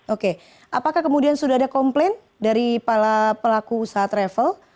oke apakah kemudian sudah ada komplain dari para pelaku usaha travel